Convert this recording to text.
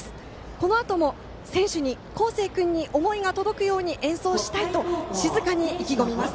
このあとも選手に孝成君に思いが届くように演奏したいと静かに意気込みます。